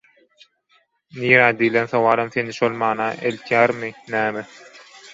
«Nirä?» diýlen sowalam seni şol mana eltmeýärmi näme?